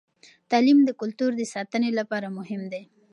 تعلیم د کلتور د ساتنې لپاره مهم دی.